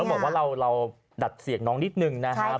บอกว่าเราดัดเสียงน้องนิดนึงนะครับ